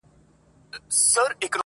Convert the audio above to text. الله دي تا پر چا مین کړي!